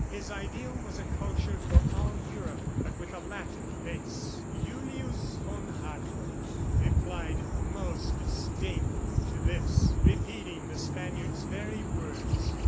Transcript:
His ideal was a culture for all Europe, but with a Latin base." Julius von Hartrott replied most disdainfully to this, repeating the Spaniard's very words.